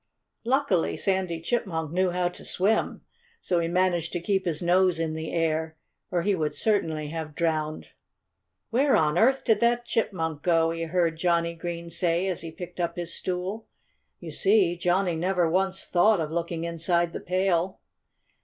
Luckily, Sandy Chipmunk knew how to swim. So he managed to keep his nose in the air or he would certainly have drowned. "Where on earth did that chipmunk go?" he heard Johnnie Green say as he picked up his stool. You see, Johnnie never once thought of looking inside the pail.